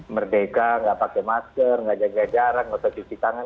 merdeka tidak pakai masker tidak jaga jarak tidak usah cuci tangan